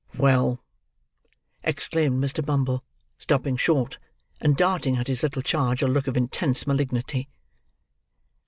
"Well!" exclaimed Mr. Bumble, stopping short, and darting at his little charge a look of intense malignity.